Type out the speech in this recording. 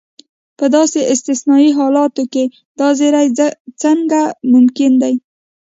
په داسې استثنایي حالتو کې دا زیری څنګه ممکن دی.